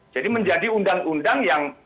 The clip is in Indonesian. jadi menjadi undang undang yang